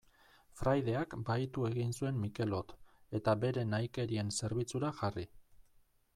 Fraideak bahitu egin zuen Mikelot, eta bere nahikerien zerbitzura jarri.